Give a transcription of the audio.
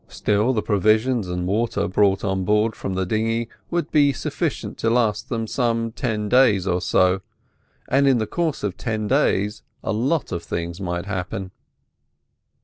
Still, the provisions and water brought on board from the dinghy would be sufficient to last them some ten days or so, and in the course of ten days a lot of things might happen.